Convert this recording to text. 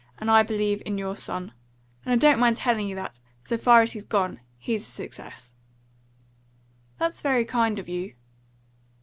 And I believe in your son. And I don't mind telling you that, so far as he's gone, he's a success." "That's very kind of you."